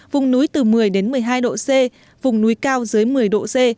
vùng núi từ một mươi một mươi hai độ c vùng núi cao dưới một mươi độ c